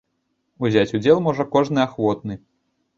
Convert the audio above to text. Узяць удзел можа кожны ахвотны.